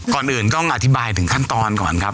ก่อนอื่นต้องอธิบายถึงขั้นตอนก่อนครับ